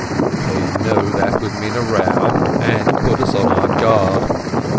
They know that would mean a row and put us on our guard.